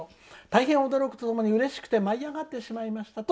大変驚くとともに、うれしくて舞い上がってしまいました。